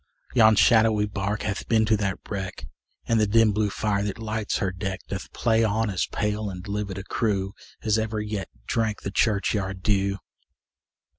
Yon shadowy bark hath been to that wreck, And the dim blue fire, that lights her deck, Doth play on as pale and livid a crew, As ever yet drank the churchyard dew.